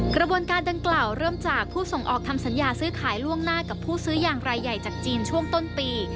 กระบวนการดังกล่าวเริ่มจากผู้ส่งออกทำสัญญาซื้อขายล่วงหน้ากับผู้ซื้อยางรายใหญ่จากจีนช่วงต้นปี